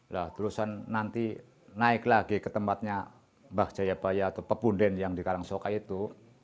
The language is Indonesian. lalu nanti naik lagi ke tempatnya mbah jayabaya atau pebunden yang di kalang soka itu